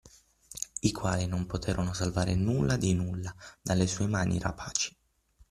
I quali non poterono salvare nulla di nulla dalle sue mani rapaci.